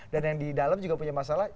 dan yang di dalam juga punya masalah